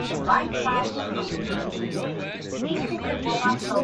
Hylids lay their eggs in a range of different locations, depending on species.